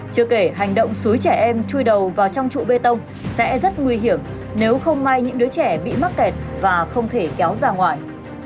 chưa kể hành động suối trẻ em chui đầu vào trong trụ bê tông sẽ rất nguy hiểm nếu không may những đứa trẻ bị mắc kẹt và không thể kéo ra ngoài